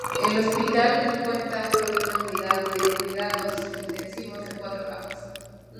El hospital cuenta con una unidad de cuidados intensivos de cuatro camas.